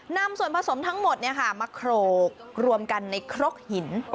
นำส่วนผสมทั้งหมดมาโขลกรวมกันในครกหิน